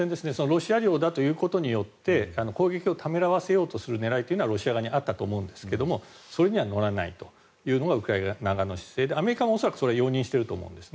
ロシア領だと言うことによって攻撃をためらわせようとする狙いというのはロシア側にあったと思いますがそれには乗らないというのがウクライナ側の姿勢でそれは恐らくアメリカも容認していると思うんです。